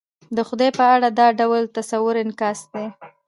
د خدای په اړه دا ډول تصور انعکاس دی.